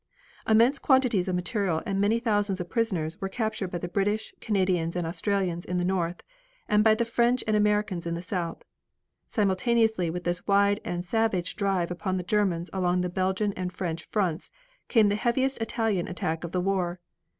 Immense quantities of material and many thousands of prisoners were captured by the British, Canadians and Australians in the north, and by the French and Americans in the south. Simultaneously with this wide and savage drive upon the Germans along the Belgian and French fronts, came the heaviest Italian attack of the war.